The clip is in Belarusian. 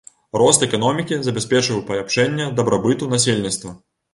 Рост эканомікі забяспечыў паляпшэнне дабрабыту насельніцтва.